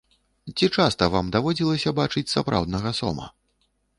Ці часта вам даводзілася бачыць сапраўднага сома?